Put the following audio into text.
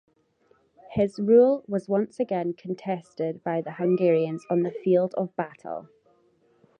His rule was once again contested by the Hungarians on the field of battle.